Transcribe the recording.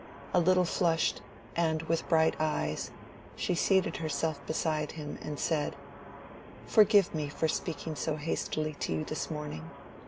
A little flushed, and with bright eyes, she seated herself beside him, and said— "Forgive me for speaking so hastily to you this morning.